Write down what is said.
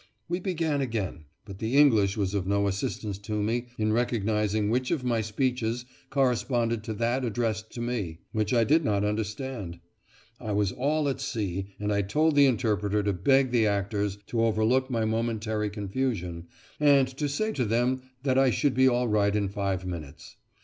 We began again, but the English was of no assistance to me in recognising which of my speeches corresponded to that addressed to me, which I did not understand. I was all at sea, and I told the interpreter to beg the actors to overlook my momentary confusion, and to say to them that I should be all right in five minutes.